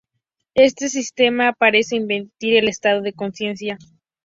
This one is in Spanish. Este sistema parece intervenir en el estado de conciencia.